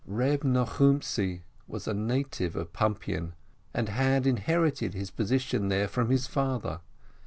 Reb Nochumtzi ,was a native of Pumpian, and had inherited his position there from his father.